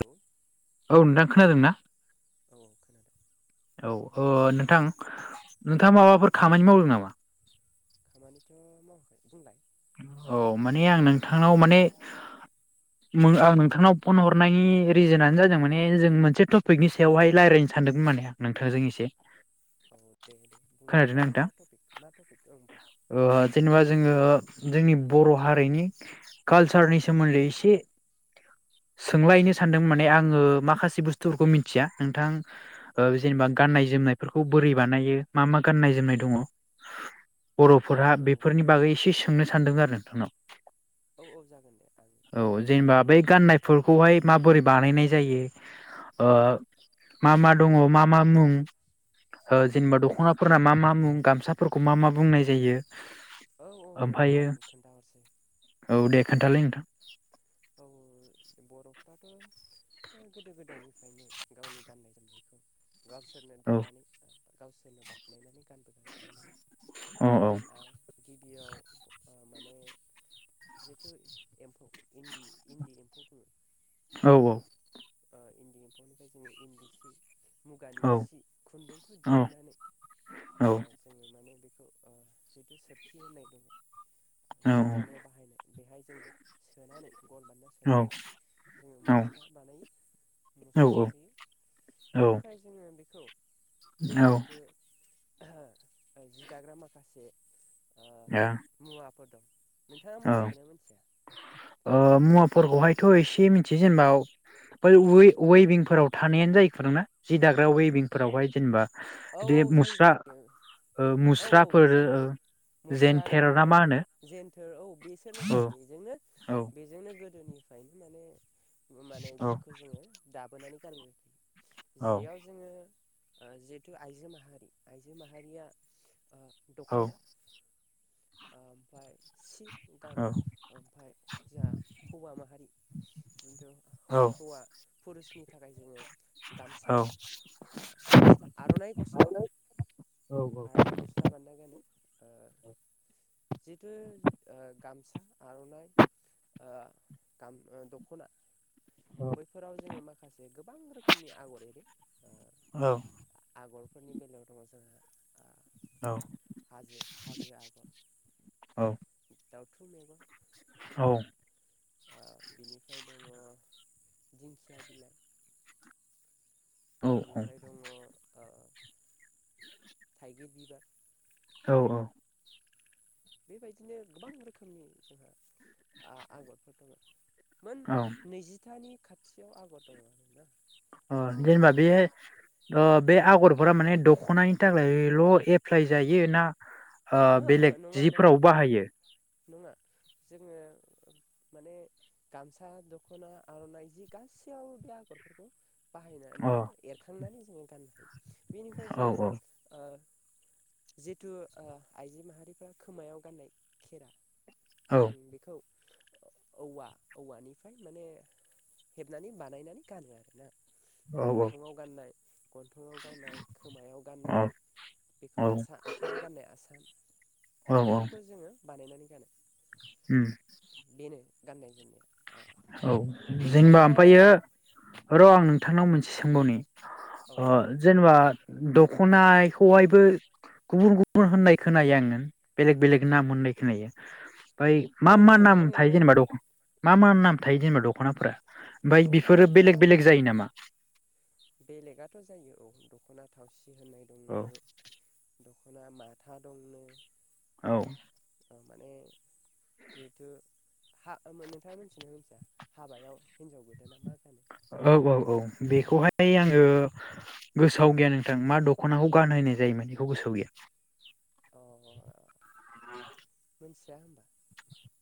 औ औ नोंथां खोनादों ना? खोनादों औ ओ औ नोंथां नोंथाङा माबाफोर खामानि मावदों नामा? खामानिथ' मावाखै बुंलाय- औ माने आं नोंथांनाव माने आं नोंथांनाव फन हरनायनि रिजोनानो जादों माने जों मोनसे टपिकनि सायावहाय रायज्लायनो सानदोंमोन माने आं नोंथांजों एसे। औ दे दे बुंलाय मा खोनादोंना मा नोंथां टपिक मा टपिक ओं बुं- ओ जेनेबा जोङो जोंनि बर' हारिनि कालसारनि सोमोन्दै एसे सोंलायनो सानदों माने आङो माखासे बुस्थुफोरखौ मिथिया नोंथां जेनेबा गाननाय जोमनायफोरखौ बोरै बानायो मा मा गाननाय जोमनाय दङ औ बर'फोरहा बेफोरनि बागै एसे। सोंनो सानदों आरो नोंथांनाव? औ औ जागोन दे आं औ खोन्थाहरगोन जेनेबा बै गाननाय- फोरखौहाय माबोरै बानायनाय जायो मा मा दङ मा मा मुं- औ जेनेबा दख'नाफोरना मा मा मुं गाम- गामसाफोरखौ मा मा बुंनाय जायो? औ औ दे ओमफ्रायो आं खोन्थाहरसै औ दे खोन्थालै नोंथां [inaudible] औ बर'फ्राथ' गोदो गोदायनिफ्रायनो गावनि गाननाय जोमनायखौ। गावसोरनो औ दानानै गावसोरनो बानायनानै गानबोगासिनो दङ औ औ [inaudible] इन्दि इन्दि एम्फौ बुङो औ औ ओ इन्दि एम्फौनिफ्राय जोंनो इन्दि सि मुगानि औ सि खुन्दुंखौ दिहुननानै औ जोङो माने बे औ [inaudible] जि दानायाव बाहायनाय बेहाय जोङो सोनानै गन बानायना सोनानै जोङो मुस्रा बानायो औ मुस्रायाव सोयो ओ बेनिफ्राय जोङो बेखौ जेहेथु जि दाग्रा माखासे ओ ए [inaudible] औ मोनथिगोना मोनथिया ओ मु फोरखौहायथ' एसे मिनथियो जेनेबा बै वै वैभिंफोराव थानायानो जायो खौरांना जि दाग्रा वेभिंफोरावहाय जेनेबा औ बे औ जायो मुस्रा जायो ओ औ औ मुस्राफोर बिसोरनो मुस्रा जेन्थेर ना गान्दोर मा होनो जेन्थोर औ। औ बेसोरनोथार बेजोंनो जेनेबा बेजोंनो गोदोनिफ्रायनो माने माने जिखौ जोङो दाबोनानै [unintelligible] जियाव जोङो ओ जि जिथु आइजो माहारि आइजो माहारिया ओ दख'ना ओ ओमफाय सि गानो ओमफाय जोंहा हौवा माहारि जिथु हौवा फुरुस नि थाखाय जोङो गामसा आ गस्ला आर'नाइ गसोला आर'नाइ गस्ला बानायना गानो ओ जिथु ओ गा सा आर'नाइ ओ गाम ओ दख'ना बैफोराव जोङो माखासे गोबां रोखोमनि आगर एरो ओ आगर फोरनि बेलायाव दङ' जोंहा आ हाजो हाजो आगर दावथु मेगन औ ओ बिनिफ्राय दङ' दिंखिया बिलाइ बेनिफ्राय दङ' ओ थाइगिर बिबार औ औ बेबायदिनो गोबां रोखोमनि जोंहा आ-आगरफोर दङ'। मोन नैजिथानि खाथियाव आगर दङ' ना अ जेनेबा बेयो ओ बे आगरफोरा माने दख'नानि थाखायल' एप्लाइ जायो ना ओ ओहो बेलेग नङा नङा जिफोराव बाहायो नङा जोङो माने गामसा दख'ना आर'नाइ जि गासैयावबो बे आगरफोरखौ बाहायना अ माने एरखांनानै न [inaudible] बेनिफ्राय औ जोङो। जिथु ओं। आइजो माहारिफोरा खोमायाव गाननाय खेरा औ जों बेखौ। औवा औवानिफ्राय माने हेबनानै बानायनानै गानो आरोना। औ गन्थंआव गाननाय गन्थंआव गाननाय खोमायाव गाननाय बेखौ औ आसान आखाइयाव गाननाय आसान। औ औ बेफोरखौ जोङो। बानायनानै गानो। उम। बेनो गाननाय जोमनाया। ओ औ जेनेबा नोंथाङा ओमफ्रायो र' आं। नोंथांनाव मोनसे सोंबावनि। औ जेनेबा। दखनाखौहायबो गुबुन गुबुन होननाय खोनायो आङो बेलेग बेलेग नाम होननाय खोनायो। ओमफ्राय औ मा मा औ नाम दङ थायो दङ जेनेबा दखनाया? मा मा नाम? थायो जेनबा दखनाफोरा। ओमफ्राय बेफोरो बेलेग बेलेग जायो नामा? बेलेगआथ' जायो औ दख'ना थावसि। होननाय औ। दंनो दख'ना माथा दंनो। औ। माने। जिहेथु। नोंथाङा मोनथियोना मिथिया हाबायाव हिनजाव गोदाना मा गानो। औ औ औ बेखौहाय आङो गोसोआव गैया नोंथां मा दख'नाखौ गानहोनाय जायोमोन बेखौ गोसोआव गैया। अ मिथिया होनबा।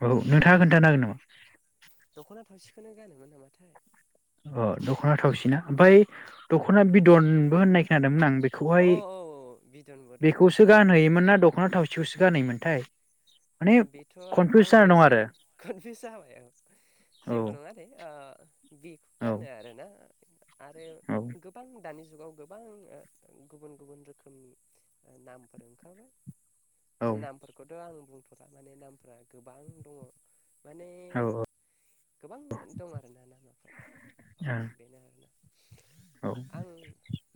औ नोंथाङा खोन्थानो हागोन नामा? दख'ना थावसिखौनो गानोमोन नामाथाय। अ दख'ना थावसिना ओमफ्राय दख'ना बिदनबो होननाय खोनादोंमोन आं। औ बेखौहाय औ बिदनबो दङ बेखौसो गानहैयोमोन ना दख'ना थावसि। गानहोयोमोनथाय। माने बेथ' कनफिउस आंबो जानाय दं एसे आरो कनफिउस जाबाय औ औ जेबो नङा दे। बेखौ औ गानो आरोना आरो गोबां दानि जुगनि। जुगाव गोबां ओं‌ गुबुन गुबुन रोखोमनि नामफोर औ ओंखारबाय। नामफोरखौथ' आं बुं गारजानि नामफ्रा गोबां दङ। माने औ गोबां दं आरोना नामाफ्रा औ बेनो आरोना। औ आं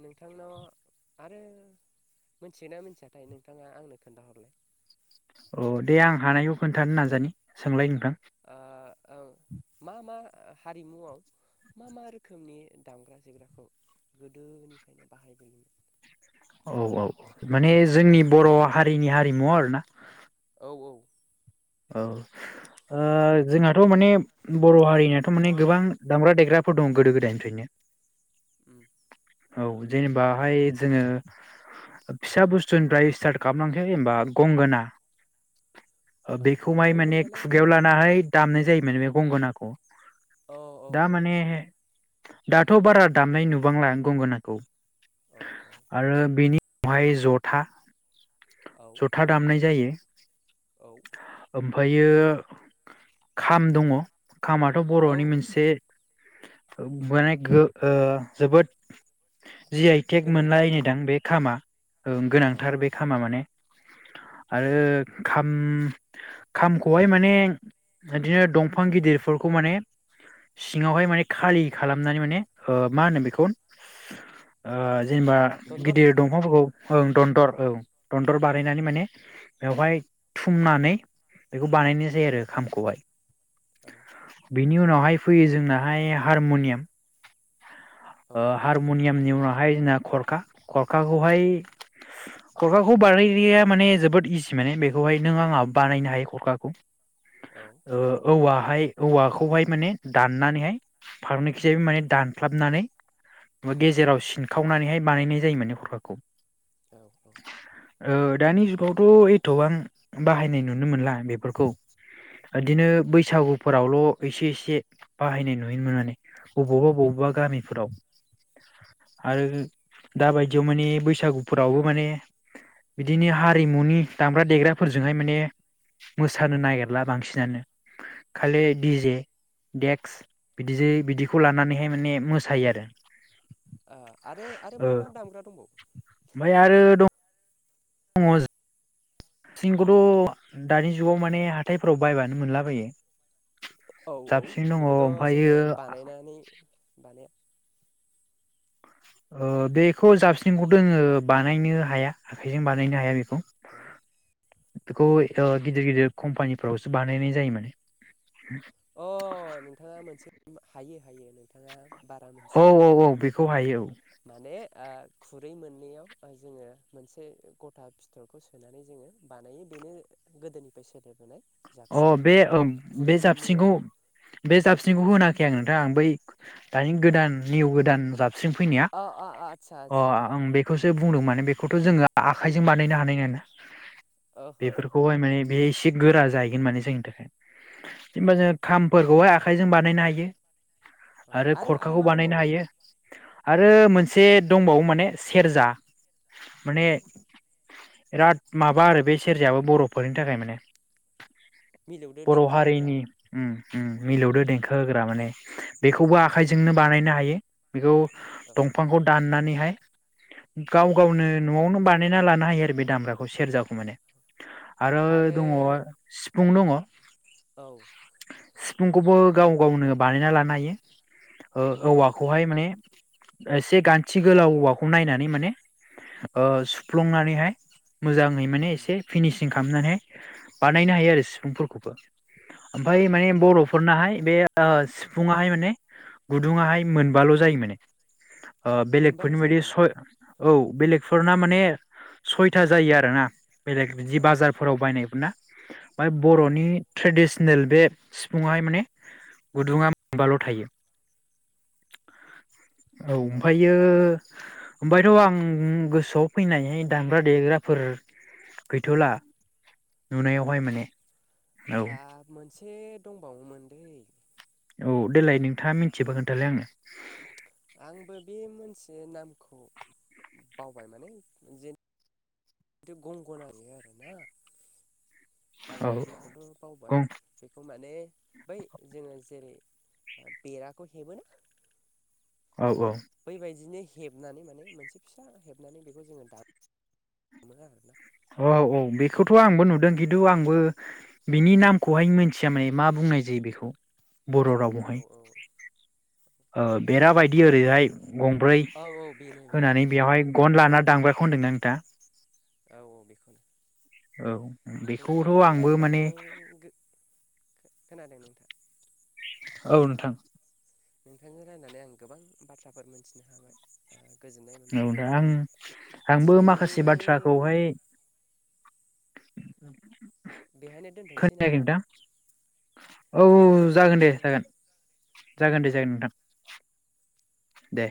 नोंथांनाव आरो मिथियोना मिथियाथाय नोंथाङा आंनो खोन्थाहरलाय? अ दे आं हानायखौ खोन्थानो नाजानि सोंलायनि [unintelligible] ओ मा मा हारिमुआव मा मा रोखोमनि दामग्रा देग्राखौ गोदोनिफ्रायनो बाहायबोयोमोन? औ औ माने जोंनि बर' हारिनि हारिमु आरोना। औ औ। थ' माने बर' हारिनियाथ' माने गोबां दामग्रा देग्रा फोर दं गोदो गोदायनिफ्रायनो। ओम औ जेनेबाहाय जोङो फिसा बुस्तुनिफ्राय स्टार्ट खालामलांसै होनबा गंगोना ओ औ बेखौहाय माने गंगनायालाय खुगायाव लानाहै दामनाय जायोमान बे गंगोनाखौ औ औ दा औ माने दाथ' बारा दामनाय नुबांला गंगोनाखौ। औ आरो बेनि महाय जथा औ जथा दामनाय जायो। [inaudible] ओम ओमफायो खाम दङ खामाथ' औ बर'नि औ मोनसे माने गो-ओं जोबोद जि आइ टेग गोनांथार मोनलायनायदां बे खामा ओं औ गोनांथार बे खामा माने। आरो खाम ओम खामखौहाय माने बिदिनो दंफां गिदिरफोरखौ माने सिङावहाय माने खालि खालामनानै माने ओं मा होनो बेखौ ओं जेनेबा दनदर गिदिर दंफांफोरखौ ओं दनदर औ दनदर बानायनानै माने बेवहाय थुमनानै बेखौ बानायनाय जायो आरो खामखौहाय। औ बिनि उनावहाय फैयो जोंनाहाय हारमनियाम औ हारमनियाम नि उनावहाय जोंना खरखा खरखाखौहाय खरखाखौ बानायग्राया माने जोबोद इजि माने बे बेखौहाय नों आंहा बानायनो हायो खरखाखौ औ ओ औवा माय औवाखौहाय माने दाननानैहाय फारौनिखिजाय माने दानफ्लाबनानै गेजेराव सिनखावनानैहाय बानायनाय जायो माने खरखाखौ औ अ दानि जुगावथ' एथ'बां बाहायनाय नुनो मोनला बिफोरखौ इदिनो बैसागुफोरावल' एसे एसे बाहायनाय नुयोमोन माने बबावबा बबावबा गामिफोराव आरो दाबायदियाव माने बैसागुफोरावबो माने बिदिनो हारिमुनि दामग्रा देग्रा फोरजोंहाय माने मोसानो नागिरला बांसिनानो खालि ओ डि जे देक्स बिदि बिदिखौ लानानैहाय माने मोसायो आरो आरो आरो ओ मा मा दामग्रा दंबावो ओमफ्राय आरो [unintelligible] थिंखौथ' दानि जुगाव माने हाथायफोराव बायबानो मोनलाबायो। औ औ जाबस्रिं दङ बेखौथ' ओमफ्रायो जोङो बानायनानै बानाया बेखौ जाबस्रिंखौ दोङो बानायनो हाया आखाइजों बानायनो हाया बेखौ औ खौ बिखौ‌ ओ गिदिर गिदिर कम्पानिफ्रावसो बानायनाय जायो माने अ नोंथाङा मोनसे हायो हायो नोंथाङा बारा औ मोनथिजोबा बायदि औ मोनदो बेखौ आं हायो माने खुरै मोननैयाव जोङो मोनसे गथा फिथरखौ सोनानै जोङो बानायो बेनो गोदोनिफ्राय सोदोब अ बे बे मोननैयाव जाबसिंखौ बे जाबसिनिखौ होनाखै आं नोंथां आं बै दानि गोदान निउ गोदान जाब जाबस्रिं फैनाया अ अ आदसा अ आदसा आं बेखौ जाय बुंदों माने बेखौथ' जोङो आखाइजों बानायनो हानाय नोङा। ओहो ओहो बेफोरखौहाय माने बेस से गोरा जाय माने जोंनि थाखाय जेनबा औ जोङो खामफोरखौहाय आख खाइजों बानायनो हायो। औ आरो खरखाखौ मा बानायनो दंबावो हायो। आरो मोनसे दंबावो माने सेरजा माने औ बिराद माबा आरो बे सेरजायाबो बर'फोरनि थाखाय माने मिलौदो बर' देंखो होग्रा हारिनि उम उम मिलौदो देंखो होग्रा माने बेखौबो आखायजोंनो बानायनो हायो बेखौ। औ दंफांखौ दाननानै हाय गाव औ गावनो न'आवनो बान नायना लानो हायो आरो बे दामग्राखौ सेरजाखौ माने आरो दङ फुं दङ। औ सिफुंखौबो गाव गावनो बानायना लानो हायो। ओ उम औवाखौहाय माने एसे गान्थि गोलाव औवाखौ नायनानै माने ओ सुफ्लंनानैहाय मोजांङै माने उम एसे फिनिस थिं खामनानै बानायनो हायो आरो सिफुंफोरखौबो ओमफाय माने औ बर'फोरनाहाय बे ओ सिफुुंहाय माने गुदुंङाहाय मोनबाल' जायो माने ओ मोनबाल' बेलेगफोरनि जायो बायदि नामा सय औ बेलेगफोरना माने सयथा जायो आरोना बेलेग बिदि औ बाजारफोराव बायनाय ना बाय औ बर'नि थ्रेडिस सेनेल बे सिफुंहाय माने गुदुंङा मोनबाल' थायो। औ ओमफायो ओमफायथ' आं गोसोआव फैनाय दामग्रा देग्राफोर गैथ'ला। अ नुनायावहाय माने औ ओ मोनसे दंबावोमोन दैै औ देलाय नोंथांङा मिथियोबा खोन्थालाय आनो आंबो बे मोनसे नामखौ बावबाय माने जेन गंगना [unintelligible] आरोना आं औ नामखौथ' बावबाय गं बेखौ माने बै जोङो जेरै बेराखौ हेबो औ औ बै बायदिनो हेबनानै माने मोनसे फिसा हेबनानै बेखौ जोङो दामो [unintelligible] आरोना औ औ बेखौथ' आंबो नुदों खिन्थु आंबो बिनि नामखौहाय मिथिया माने मा बुंनाय जायो बेखौ बर' औ रावावहाय औ ओ बेरा बायदि ओरैहाय गंब्रै औ औ बेनो बेनो होनानै बेवहाय गन लाना दामग्रा खौ होनदों ना नोंथाङा औ औ बेखौनो औ बेखौथ' नोंथांजों आंबो रायजल्लायनानै माने गो खोनादों नोंथां। औ नोंथां। नोंथांजों रायनानै आं गोबां बाथ्राफोर मोनथिनो हाबाय। गोजोननाय औ मोनबाय दा आं आंबो दिनैनि माखासे बाथ्राखौहाय [unintelligible] बेहायनो दोनथ'नोसै खोनायाखै नामा नोंथां औ - औ बेहायनो जागोन दे दोनथ'नोसै नामा जागोन जागोन दे। जोन नोंथां दे।